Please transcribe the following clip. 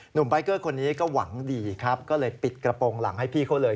ใบเกอร์คนนี้ก็หวังดีครับก็เลยปิดกระโปรงหลังให้พี่เขาเลย